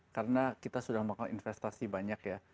karena kita sudah memakan investasi banyak ya